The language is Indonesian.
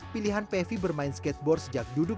pilihan pevi bermain skateboard sejak duduk